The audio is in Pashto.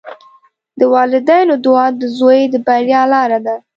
د والدینو دعا د زوی د بریا لاره ده.